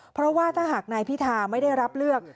เพราะว่าถ้าหากนายพิธาไม่ได้รับเลือก